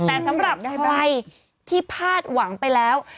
แต่สำหรับใครที่พลาดหวังไปแล้ว